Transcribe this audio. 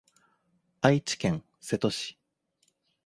愛知県瀬戸市